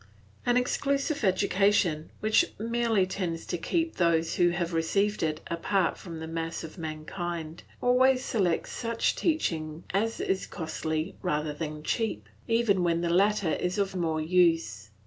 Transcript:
An exclusive education, which merely tends to keep those who have received it apart from the mass of mankind, always selects such teaching as is costly rather than cheap, even when the latter is of more use.